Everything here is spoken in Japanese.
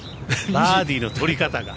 バーディーの取り方が。